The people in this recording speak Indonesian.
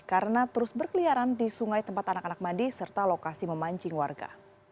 karena terus berkeliaran di sungai tempat anak anak mandi serta lokasi memancing warga